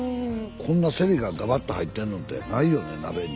こんなせりががばっと入ってんのってないよね鍋に。